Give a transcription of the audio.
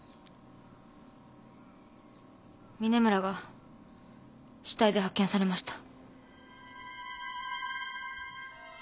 峰村が死体で発見されました。